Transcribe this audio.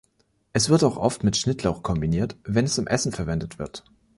Es wird auch oft mit Schnittlauch kombiniert, wenn es im Essen verwendet wird.